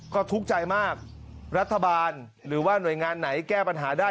ก็ทุกข์ใจมากรัฐบาลหรือว่าหน่วยงานไหนแก้ปัญหาได้